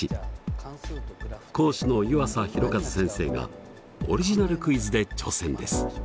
講師の湯浅弘一先生がオリジナルクイズで挑戦です。